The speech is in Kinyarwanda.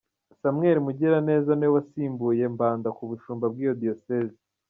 Samuel Mugiraneza ni we wasimbuye Mbanda ku bushumba bw’iyo diyosezi.